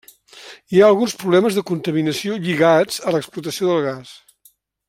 Hi ha alguns problemes de contaminació lligats a l’explotació del gas.